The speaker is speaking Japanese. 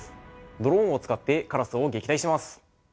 ドローンを使ってカラスを撃退します。